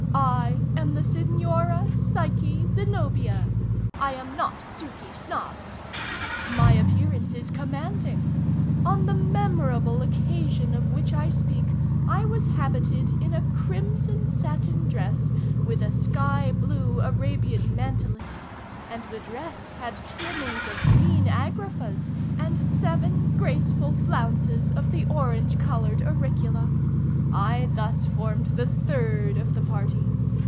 I am the Signora Psyche Zenobia. I am not Suky Snobbs. My appearance is commanding. On the memorable occasion of which I speak I was habited in a crimson satin dress, with a sky blue Arabian mantelet. And the dress had trimmings of green agraffas, and seven graceful flounces of the orange colored auricula. I thus formed the third of the party.